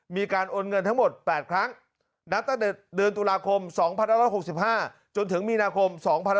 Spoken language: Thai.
มีการโอนเงินทั้งหมด๘ครั้งนับตั้งแต่เดือนตุลาคม๒๑๖๕จนถึงมีนาคม๒๕๖๒